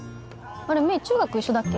あれ芽衣中学一緒だっけ？